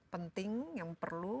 penting yang perlu